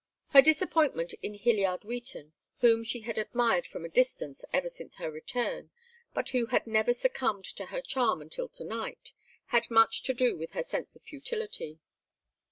Her disappointment in Hyliard Wheaton, whom she had admired from a distance ever since her return, but who had never succumbed to her charm until to night, had much to do with her sense of futility.